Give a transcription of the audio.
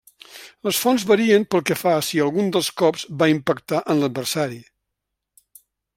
Les fonts varien pel que fa a si algun dels cops va impactar en l'adversari.